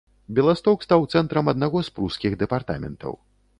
Беласток стаў цэнтрам аднаго з прускіх дэпартаментаў.